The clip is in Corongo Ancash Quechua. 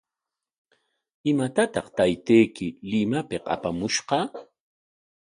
¿Imatataq taytayki Limapik apamushqa?